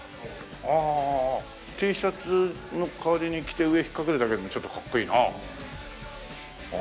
ああＴシャツの代わりに着て上引っ掛けるだけでもちょっとかっこいいなあ。